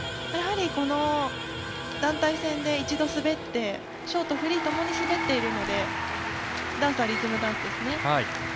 やはりこの団体戦で一度滑ってショート、フリーともに滑っているのでダンスはリズムダンスですね。